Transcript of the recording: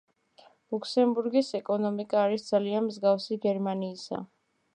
ლუქსემბურგის ეკონომიკა არის ძალიან მსგავის გერმანიისა.